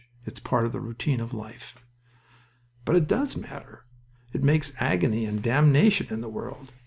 It's part of the routine of life." "But it does matter. It makes agony and damnation in the world.